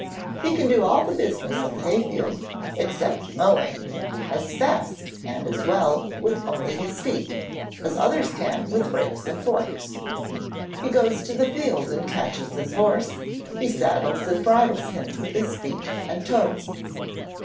He can do all the business of the hay field (except mowing) as fast and as well with only his feet, as others can with rakes and forks; he goes to the field and catches his horse; he saddles and bridles him with his feet and toes.